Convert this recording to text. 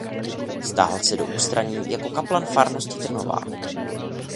Stáhl se do ústraní jako kaplan farnosti Trnová.